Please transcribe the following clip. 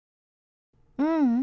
ううん。